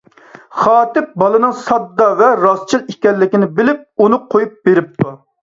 خاتىپ بالىنىڭ ساددا ۋە راستچىل ئىكەنلىكىنى بىلىپ ئۇنى قويۇپ بېرىپتۇ.